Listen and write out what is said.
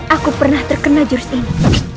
aku pernah terkena jurus ini